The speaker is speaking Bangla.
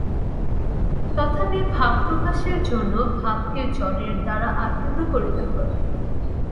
তথাপি ভাবপ্রকাশের জন্য ভাবকে জড়ের দ্বারা আবৃত করিতে হইবে।